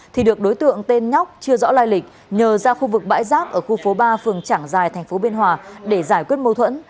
thì được đối tượng tên nhóc chưa rõ lai lịch nhờ ra khu vực bãi rác ở khu phố ba phường trảng giài thành phố biên hòa để giải quyết mâu thuẫn